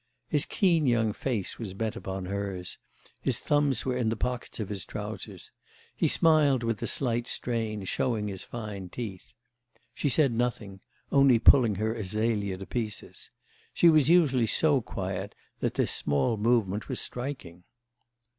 His keen young face was bent upon hers; his thumbs were in the pockets of his trousers; he smiled with a slight strain, showing his fine teeth. She said nothing, only pulling her azalea to pieces. She was usually so quiet that this small movement was striking.